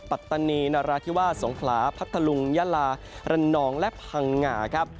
ปัตตานีนราธิวาสสงขลาพัทธลุงยาลาระนองและพังงาครับ